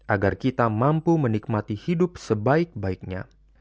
agar kita mampu menikmati hidup sebaik baiknya